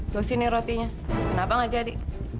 tuh sini rotinya kenapa gak jadi